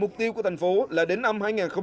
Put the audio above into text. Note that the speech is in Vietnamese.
mục tiêu của tp hcm là đến năm hai nghìn hai mươi năm